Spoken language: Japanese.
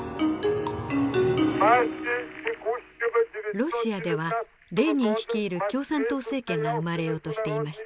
ロシアではレーニン率いる共産党政権が生まれようとしていました。